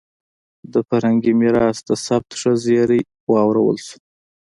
د فرهنګي میراث د ثبت ښه زېری واورېدل شو.